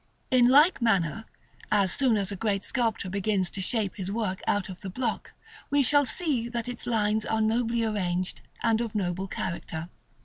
In like manner, as soon as a great sculptor begins to shape his work out of the block, we shall see that its lines are nobly arranged, and of noble character.